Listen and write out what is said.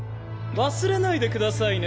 忘れないでくださいね。